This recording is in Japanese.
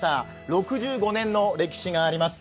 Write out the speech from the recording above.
６５年の歴史があります。